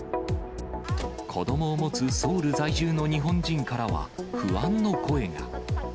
子どもを持つソウル在住の日本人からは不安の声が。